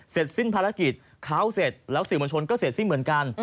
เสร็จสิ้นภารกิจเขาเสร็จแล้วสื่อมวลชนก็เสร็จสิ้นเหมือนกัน